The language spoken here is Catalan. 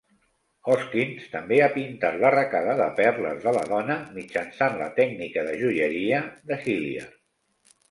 Hoskins també ha pintat la arracada de perles de la dona mitjançant la tècnica de joieria de Hilliard.